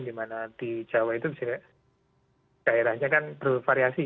di mana di jawa itu daerahnya kan bervariasi